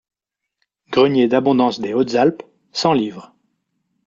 Grenier d’abondance des Hautes-Alpes : cent livres.